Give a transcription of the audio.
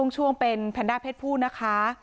ช่วงเป็นแพนด้าเพศผู้นะคะ